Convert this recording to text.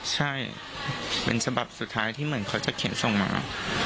ใช่เป็นฉบับสุดท้ายที่เหมือนเขาจะเขียนส่งมา